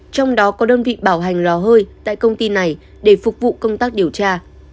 trong đó có đơn vị bảo hành lò hơi tại công ty này để phục vụ công tác điều tra